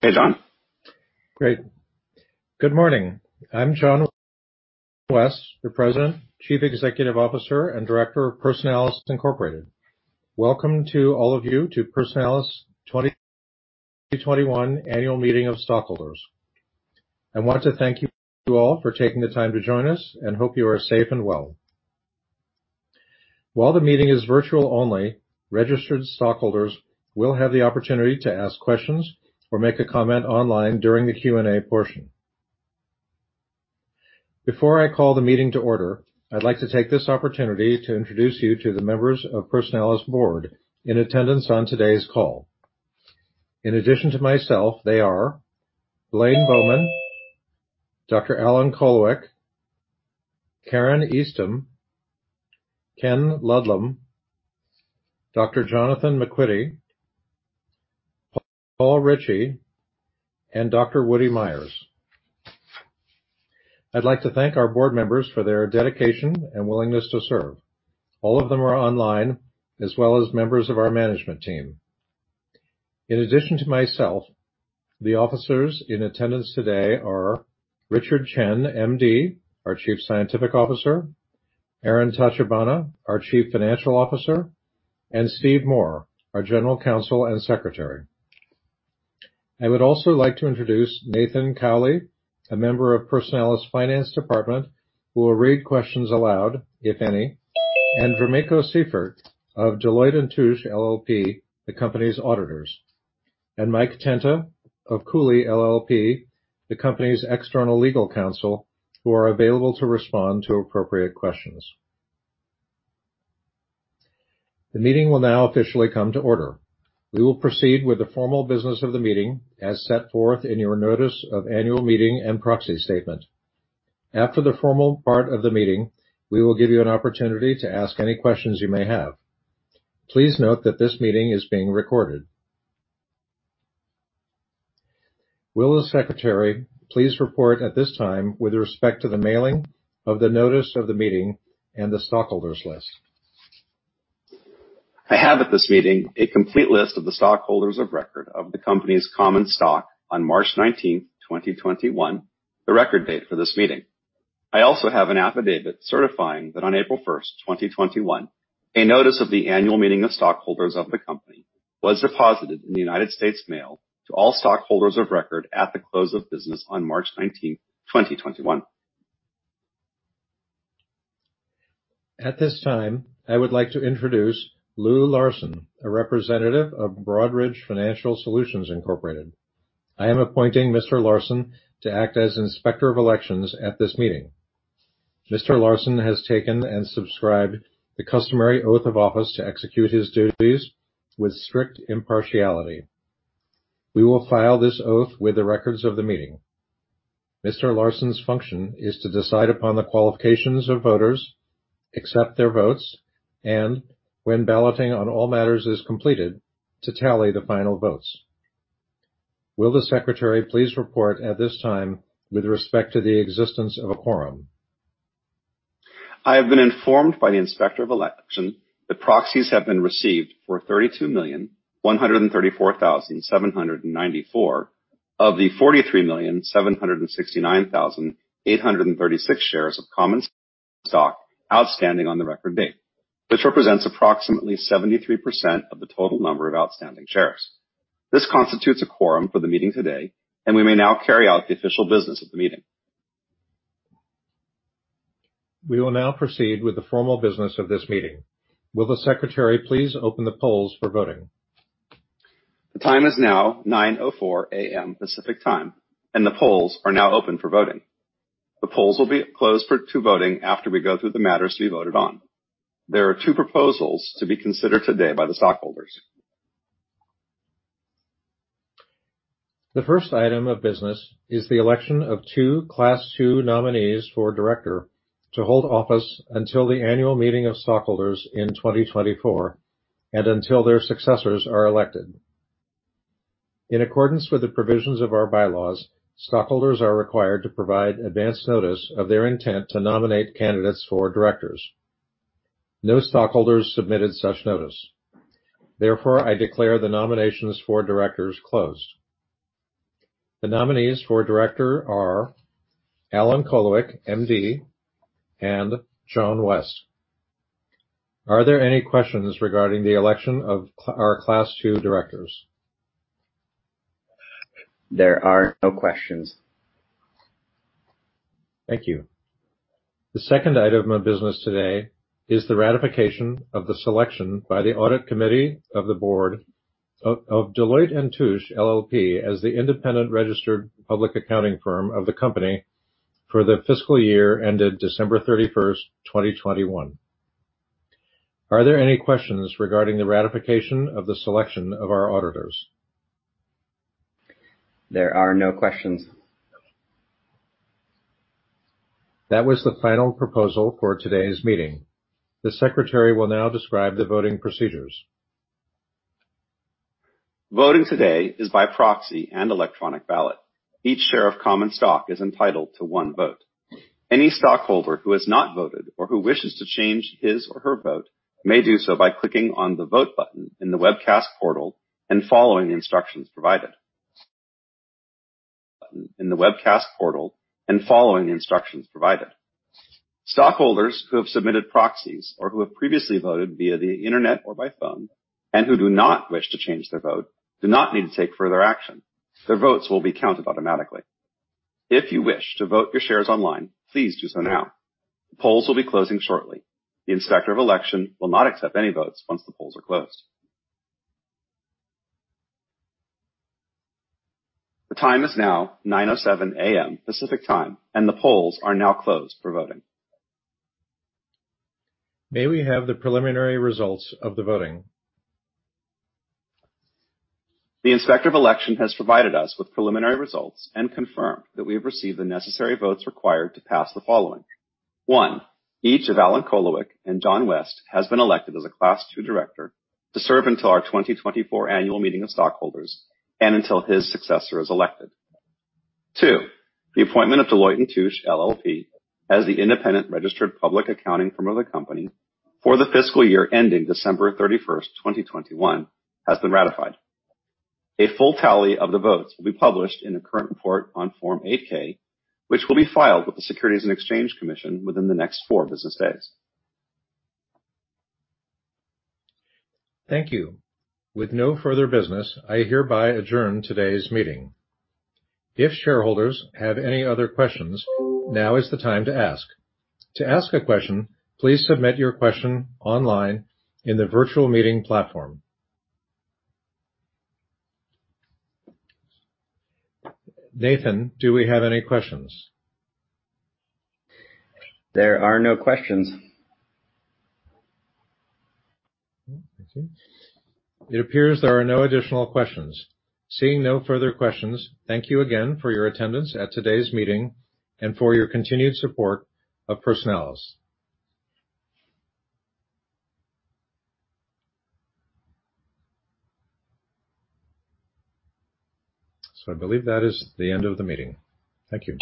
Hey. Great. Good morning. I'm Christopher Hall, the President, Chief Executive Officer, and Director of Personalis Incorporated. Welcome to all of you to Personalis' 2021 Annual Meeting of Stockholders. I want to thank you all for taking the time to join us and hope you are safe and well. While the meeting is virtual only, registered stockholders will have the opportunity to ask questions or make a comment online during the Q&A portion. Before I call the meeting to order, I'd like to take this opportunity to introduce you to the members of Personalis Board in attendance on today's call. In addition to myself, they are Blaine Bowman, Dr. Alan Colowick, Karin Eastham, Ken Ludlum, Dr. Jonathan MacQuitty, Paul Ricci, and Dr. Woody Myers. I'd like to thank our board members for their dedication and willingness to serve. All of them are online, as well as members of our management team. In addition to myself, the officers in attendance today are Richard Chen, MD, our Chief Scientific Officer; Aaron Tachibana, our Chief Financial Officer; and Steve Moore, our General Counsel and Secretary. I would also like to introduce Nathan Cowley, a member of Personalis Finance Department, who will read questions aloud, if any; and Dremeco Seifert of Deloitte & Touche, LLP, the company's auditors; and Mike Tenta of Cooley, LLP, the company's external legal counsel, who are available to respond to appropriate questions. The meeting will now officially come to order. We will proceed with the formal business of the meeting as set forth in your Notice of Annual Meeting and Proxy Statement. After the formal part of the meeting, we will give you an opportunity to ask any questions you may have. Please note that this meeting is being recorded. Will, as Secretary, please report at this time with respect to the mailing of the Notice of the Meeting and the Stockholders List. I have at this meeting a complete list of the stockholders of record of the company's common stock on March 19, 2021, the record date for this meeting. I also have an affidavit certifying that on April 1, 2021, a Notice of the Annual Meeting of Stockholders of the company was deposited in the United States Mail to all stockholders of record at the close of business on March 19, 2021. At this time, I would like to introduce Lou Larson, a representative of Broadridge Financial Solutions. I am appointing Mr. Larson to act as Inspector of Elections at this meeting. Mr. Larson has taken and subscribed the customary oath of office to execute his duties with strict impartiality. We will file this oath with the records of the meeting. Mr. Larson's function is to decide upon the qualifications of voters, accept their votes, and, when balloting on all matters is completed, to tally the final votes. Will, as Secretary, please report at this time with respect to the existence of a quorum? I have been informed by the Inspector of Elections that proxies have been received for 32,134,794 of the 43,769,836 shares of common stock outstanding on the record date, which represents approximately 73% of the total number of outstanding shares. This constitutes a quorum for the meeting today, and we may now carry out the official business of the meeting. We will now proceed with the formal business of this meeting. Will, as Secretary, please open the polls for voting? The time is now 9:04 A.M. Pacific Time, and the polls are now open for voting. The polls will be closed for voting after we go through the matters to be voted on. There are two proposals to be considered today by the stockholders. The first item of business is the election of two Class II nominees for Director to hold office until the Annual Meeting of Stockholders in 2024 and until their successors are elected. In accordance with the provisions of our bylaws, stockholders are required to provide advance notice of their intent to nominate candidates for Directors. No stockholders submitted such notice. Therefore, I declare the nominations for Directors closed. The nominees for Director are Alan Colowick, MD, and John West. Are there any questions regarding the election of our Class II Directors? There are no questions. Thank you. The second item of business today is the ratification of the selection by the Audit Committee of the Board of Deloitte & Touche, LLP, as the independent registered public accounting firm of the company for the fiscal year ended December 31, 2021. Are there any questions regarding the ratification of the selection of our auditors? There are no questions. That was the final proposal for today's meeting. The Secretary will now describe the voting procedures. Voting today is by proxy and electronic ballot. Each share of common stock is entitled to one vote. Any stockholder who has not voted or who wishes to change his or her vote may do so by clicking on the Vote button in the webcast portal and following the instructions provided in the webcast portal and following the instructions provided. Stockholders who have submitted proxies or who have previously voted via the internet or by phone and who do not wish to change their vote do not need to take further action. Their votes will be counted automatically. If you wish to vote your shares online, please do so now. Polls will be closing shortly. The Inspector of Elections will not accept any votes once the polls are closed. The time is now 9:07 A.M. Pacific Time, and the polls are now closed for voting. May we have the preliminary results of the voting? The Inspector of Elections has provided us with preliminary results and confirmed that we have received the necessary votes required to pass the following: One, each of Alan Kolowic and John West has been elected as a Class II Director to serve until our 2024 Annual Meeting of Stockholders and until his successor is elected. Two, the appointment of Deloitte & Touche, LLP, as the independent registered public accounting firm of the company for the fiscal year ending December 31, 2021, has been ratified. A full tally of the votes will be published in the current report on Form 8-K, which will be filed with the Securities and Exchange Commission within the next four business days. Thank you. With no further business, I hereby adjourn today's meeting. If shareholders have any other questions, now is the time to ask. To ask a question, please submit your question online in the virtual meeting platform. Nathan, do we have any questions? There are no questions. It appears there are no additional questions. Seeing no further questions, thank you again for your attendance at today's meeting and for your continued support of Personalis. I believe that is the end of the meeting. Thank you.